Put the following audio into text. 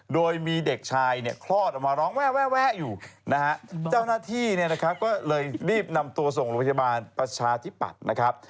โดยมีเด็กชายเนี่ยคลอดออกมาร้องแวะอยู่นะฮะเจ้าหน้าที่เนี่ยนะครับก็เลยรีบนำตัวส่งโรงพยาบาลประชาธิปัตย์นะครับ